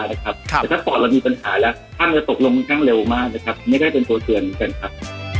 แต่ถ้าปอดเรามีปัญหาแล้วท่านจะตกลงค่อนข้างเร็วมากนะครับไม่ได้เป็นตัวเตือนกันครับ